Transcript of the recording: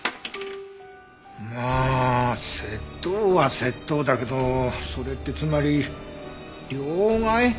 まあ窃盗は窃盗だけどそれってつまり両替？